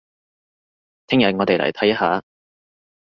聽日我哋嚟睇一下